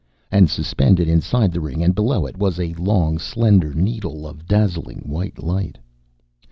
And suspended inside the ring and below it was a long, slender needle of dazzling white light.